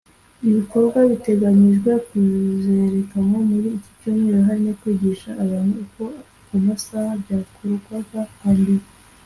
Ibikorwa biteganyijwe kuzerekanwa muri iki cyumweru harimo kwigisha abantu uko kumasha byakorwaga hambere